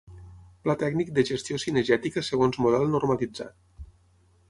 Pla Tècnic de gestió cinegètica, segons model normalitzat.